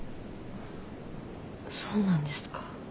そうなんですか。